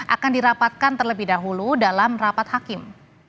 akan dirapatkan terlebih dahulu dalam rapat hakim